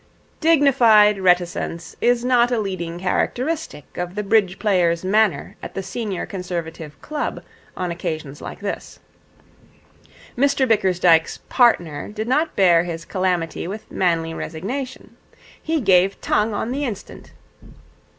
Dignified reticence is not a leading characteristic of the bridge player's manner at the Senior Conservative Club on occasions like this. Mr Bickersdyke's partner did not bear his calamity with manly resignation. He gave tongue on the instant.